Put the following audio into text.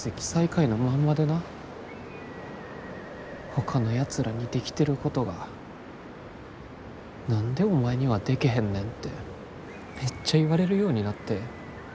ほかのやつらにできてることが何でお前にはでけへんねんてめっちゃ言われるようになって。